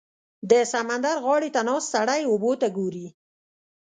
• د سمندر غاړې ته ناست سړی اوبو ته ګوري.